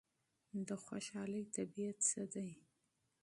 د خوشحالۍ طبیعت څه دی؟